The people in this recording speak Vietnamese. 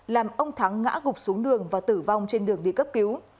làm ông thắng ngã gục xuống đường và tử vong trên đường đi cấp cứu